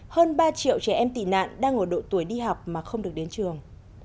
hơn ba triệu trẻ em tị nạn đang ở độ tuổi đi học mà không được đến trường